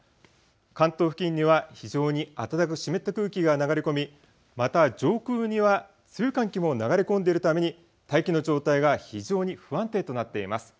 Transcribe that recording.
関東付近には非常に暖かく湿った空気が流れ込み、また上空には強い寒気も流れ込んでいるために大気の状態が非常に不安定となっています。